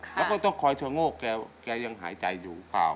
แล้วก็ต้องคอยชะโงกแกยังหายใจอยู่เปล่า